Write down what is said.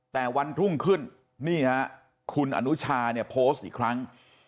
แต่วันทุ่งขึ้นพิธีอะครับคุณอนุชาโพสต์อีกครั้ง